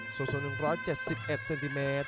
ส่วนส่วน๑๗๑เซนติเมตร